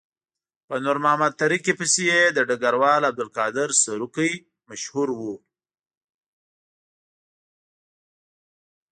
په نور محمد تره کي پسې یې د ډګروال عبدالقادر سروکي مشهور وو.